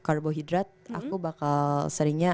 carbohydrate aku bakal seringnya